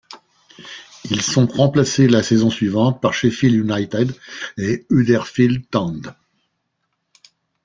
Ils sont remplacés la saison suivante par Sheffield United et Huddersfield Town.